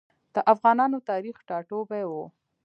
د افغانانو تاریخي ټاټوبی و.